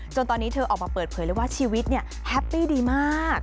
จนตอนนี้เธอออกมาเปิดเผยเลยว่าชีวิตเนี่ยแฮปปี้ดีมาก